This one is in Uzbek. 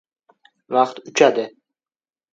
• Vaqt uchadi.